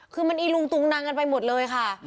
คือมันอีลุงตุงนังกันไปหมดเลยค่ะ